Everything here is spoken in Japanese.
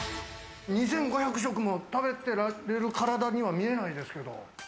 ２５００食食べる体には見えないんですけれど。